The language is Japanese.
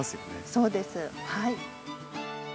そうですはい。